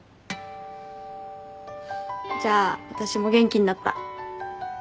じゃあ私も元気になった。